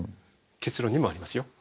結論２もありますよ。